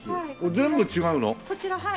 全部違う！？